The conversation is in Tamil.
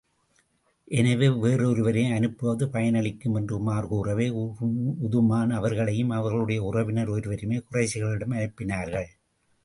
எனவே வேறெவரையும் அனுப்புவது பயனளிக்கும் என்று உமர் கூறவே, உதுமான் அவர்களையும் அவர்களுடைய உறவினர் ஒருவரையும் குறைஷிகளிடம் அனுப்பினார்கள்.